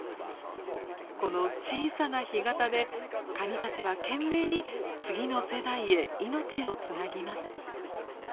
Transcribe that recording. この小さな干潟でカニたちは懸命に次の世代へ命をつなぎます。